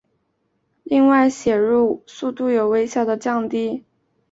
另外写入速度有微小的降低。